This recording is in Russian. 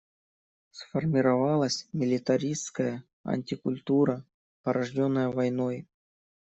Сформировалась милитаристская антикультура, порожденная войной.